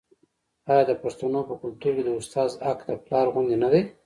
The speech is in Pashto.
آیا د پښتنو په کلتور کې د استاد حق د پلار غوندې نه دی؟